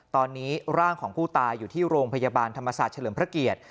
ตอนนี้ร่างของผู้ตายอยู่ที่โรงพยาบาลธรรมศาสตร์เฉลิมพระเกียรติ